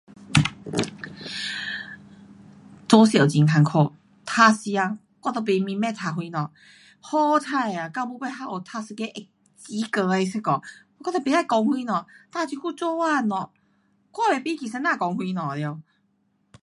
做数很困苦。读的时间我都不明白读什么，好彩啊，到尾尾还有读一个会及格的那个，我都不知它讲什么，哒这久做工了，我也不记先生讲什么了。